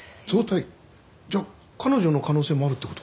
じゃあ彼女の可能性もあるって事？